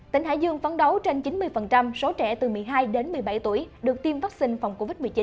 tỉnh hải dương phấn đấu trên chín mươi số trẻ từ một mươi hai đến một mươi bảy tuổi được tiêm vaccine phòng covid một mươi chín